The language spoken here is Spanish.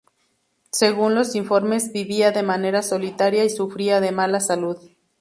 Según los informes, vivía de manera solitaria y sufría de mala salud.